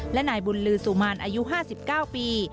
และนายบุญลือสุมานอายุ๕๙ปี